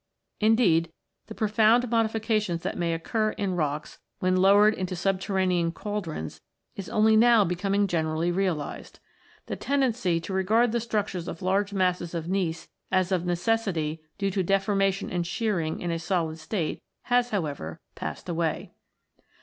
In deed, the profound modifications that may occur in rocks when lowered into subterranean cauldrons is only now becoming generally realised. The tendency to regard the structures of large masses of gneiss as of necessity due to deformation and shearing in a solid state has, however, passed awaydoe).